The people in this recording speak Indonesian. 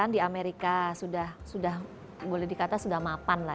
di amerika sudah boleh dikata sudah mapan lah